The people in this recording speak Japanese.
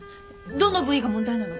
どの部位が問題なの？